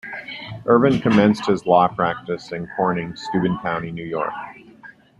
Irvine commenced his law practice in Corning, Steuben County, New York.